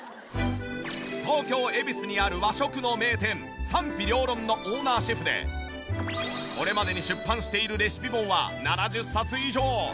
東京恵比寿にある和食の名店賛否両論のオーナーシェフでこれまでに出版しているレシピ本は７０冊以上。